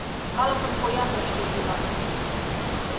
Калыкын поянлыкше йӱла.